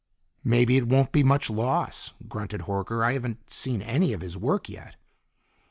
"Maybe it won't be much loss," grunted Horker. "I haven't seen any of his work yet."